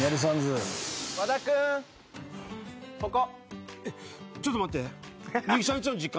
ここ。